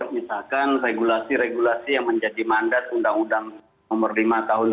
misalkan regulasi regulasi yang menjadi mandat undang undang nomor lima tahun dua ribu